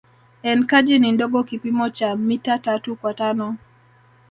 Enkaji ni ndogo kipimo cha mita tatu kwa tano